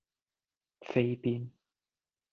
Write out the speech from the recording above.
飛邊